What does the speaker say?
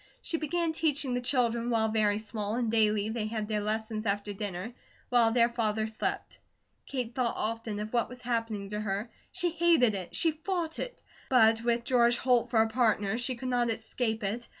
She began teaching her children while very small, and daily they had their lessons after dinner, while their father slept. Kate thought often of what was happening to her; she hated it, she fought it; but with George Holt for a partner she could not escape it.